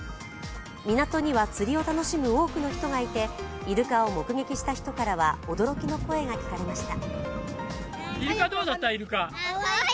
港には釣りを楽しむ多くの人がいてイルカを目撃した人からは驚きの声が聞かれました。